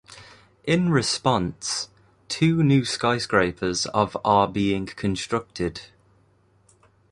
In response, two new skyscrapers of are being constructed.